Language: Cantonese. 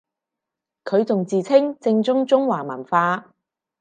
佢仲自稱正宗中華文化